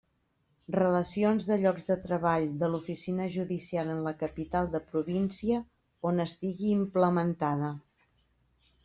Relacions de llocs de treball de l'oficina judicial en la capital de província on estigui implementada.